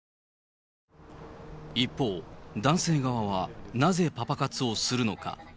一方、男性側は、なぜパパ活をするのか。